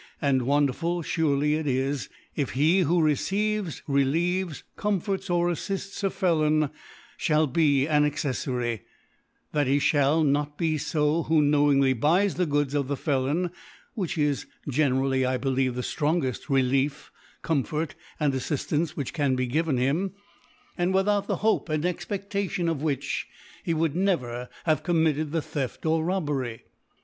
and wonderful furely it is, if he who receives, relieves, comforts, or aflifts a Felon, fhall be an Acceffary, that he ftiall not be fo, who knowingly buys the Goods of the Felon ; which is generally, I believe, the ftrongcft Relief, Comfort and Affiftance which can be given him, and without the Hope andExpedlation of which, he would never have committed the Theft or Robbery.